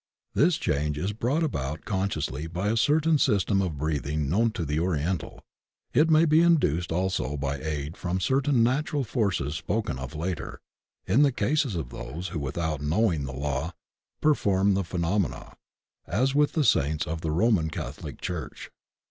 This change is brought about consciously by a certain sys tem of breathing known to the Oriental; it may be induced also by aid from certain natural forces spoken of later, in the cases of those who without knowing the law perform the phenomena, as with the saints of the Roman Catholic Church.